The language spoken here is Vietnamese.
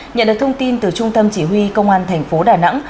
nhận được thông tin từ trung tâm chỉ huy công an thành phố đà nẵng